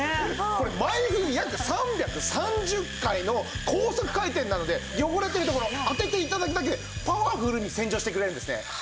これ毎分約３３０回の高速回転なので汚れてる所当てて頂くだけでパワフルに洗浄してくれるんですね。